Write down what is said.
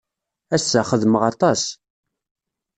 Ass-a, xedmeɣ aṭas.